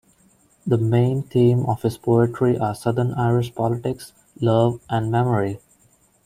The main themes of his poetry are Southern Irish politics, love and memory.